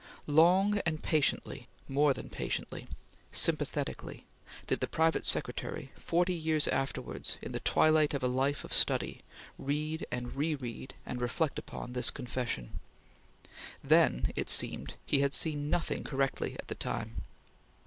Long and patiently more than patiently sympathetically, did the private secretary, forty years afterwards in the twilight of a life of study, read and re read and reflect upon this confession. Then, it seemed, he had seen nothing correctly at the time.